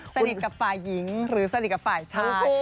สนิทกับฝ่ายหญิงหรือสนิทกับฝ่ายชาย